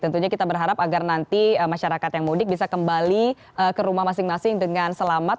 tentunya kita berharap agar nanti masyarakat yang mudik bisa kembali ke rumah masing masing dengan selamat